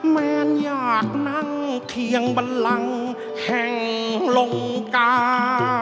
แมนอยากนั่งเคียงบันลังแห่งลงกา